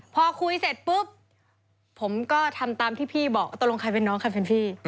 พอคุยเสร็จปุ๊บผมก็ทำตามที่พี่บอกตกลงใครเป็นน้องใครเป็นพี่